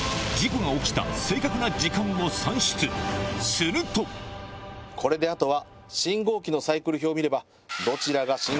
するとこれであとは。